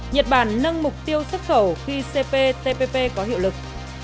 nhật bản nâng mục tiêu xuất khẩu khi cptpp có hiệu lực